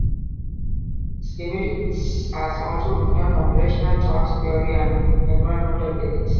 Schmidtz has also written on rational choice theory and environmental ethics.